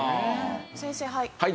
先生はい。